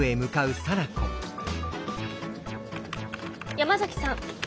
山崎さん。